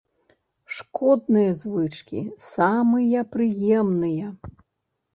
Шкодныя звычкі самыя прыемныя.